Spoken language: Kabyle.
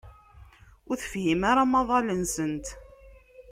Ur tefhim ara amaḍal-nsent.